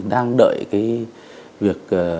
đang đợi việc